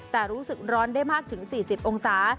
แต่รู้สึกร้อนได้มากถึง๔๐องศา